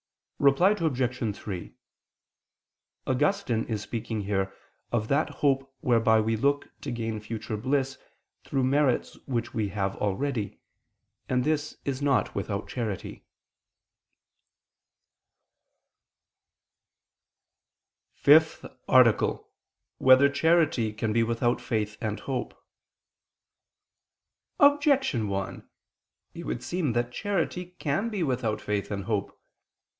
Reply Obj. 3: Augustine is speaking here of that hope whereby we look to gain future bliss through merits which we have already; and this is not without charity. ________________________ FIFTH ARTICLE [I II, Q. 65, Art. 5] Whether Charity Can Be Without Faith and Hope? Objection 1: It would seem that charity can be without faith and hope.